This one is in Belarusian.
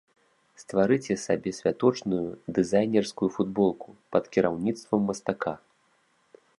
Стварыце сабе святочную дызайнерскую футболку пад кіраўніцтвам мастака!